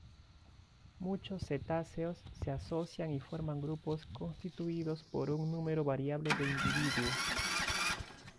Muchos cetáceos se asocian y forman grupos constituidos por un número variable de individuos.